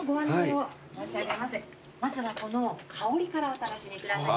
まずはこの香りからお楽しみください。